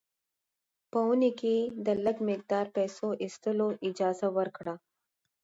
په اونۍ کې یې د لږ مقدار پیسو ایستلو اجازه ورکړه.